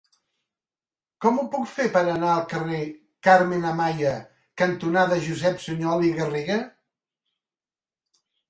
Com ho puc fer per anar al carrer Carmen Amaya cantonada Josep Sunyol i Garriga?